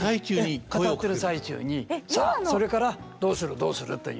語ってる最中に「それからどうするどうする」という。